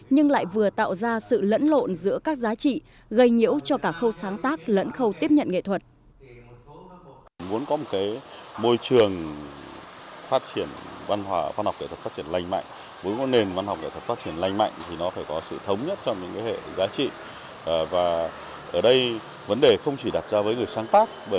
nhưng lại vừa tạo ra sự lẫn lộn giữa các giá trị gây nhiễu cho cả khâu sáng tác lẫn khâu tiếp nhận nghệ thuật